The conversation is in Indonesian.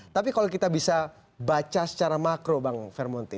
tapi kalau kita bisa baca secara makro bang vermonte